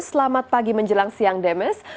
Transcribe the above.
selamat pagi menjelang siang demes